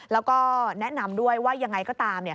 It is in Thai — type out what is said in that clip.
แล้วก็แนะนำด้วยว่ายังไงก็ตาม